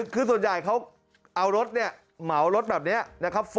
คือส่วนใหญ่เขาเอารถเนี่ยเหมารถแบบนี้นะครับ